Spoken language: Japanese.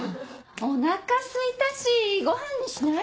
お腹すいたしごはんにしない？